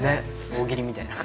大喜利みたいな。